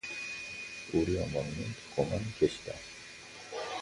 우리 어머니는 듣고만 계시다.